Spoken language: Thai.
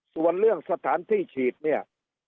ส่วนเรื่องสถานที่ฉีดเนี่ย